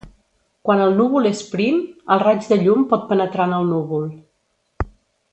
Quan el núvol és prim el raig de llum pot penetrar en el núvol.